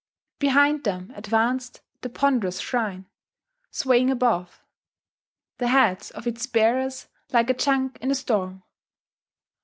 Behind them advanced the ponderous shrine, swaying above: the heads of its bearers like a junk in a storm.